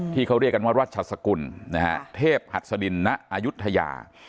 ที่เขาเรียกกันว่ารัชสกุลนะฮะเทพหัสดินณอายุทยา